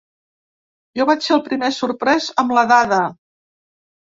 Jo vaig ser el primer sorprès amb la dada.